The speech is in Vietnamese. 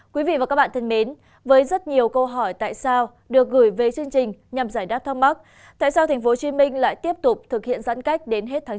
quý vị và các bạn thân mến với rất nhiều câu hỏi tại sao được gửi về chương trình nhằm giải đáp thắc mắc tại sao tp hcm lại tiếp tục thực hiện giãn cách đến hết tháng chín